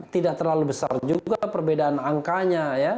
tidak terlalu besar juga perbedaan angkanya ya